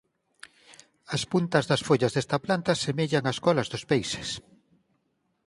As puntas das follas desta planta semellan a colas dos peixes.